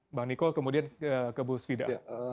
mbak niko kemudian ke bu svida